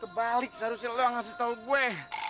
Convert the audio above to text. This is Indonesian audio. kebalik seharusnya lo yang ngasih tau gue